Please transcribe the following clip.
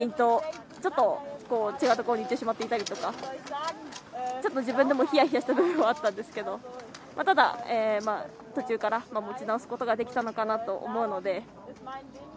思っていたラインとちょっと違うところに行ってしまったりとかちょっと自分でもひやひやした部分はあったんですけどただ、途中から持ち直すことができたのかなと思うので。